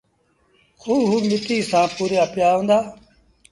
کوه مٽيٚ سآݩ پُوريآ پيآ هُݩدآ۔